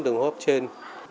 đừng hốp trên